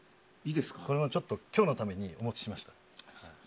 今日のためにお持ちしました。